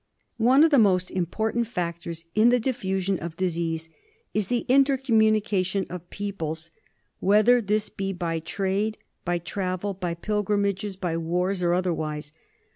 One of the most important factors in the diffusion of disease is the inter communication of peoples, whether this be by trade, by travel, by pilgrimages, by wars or otherwise.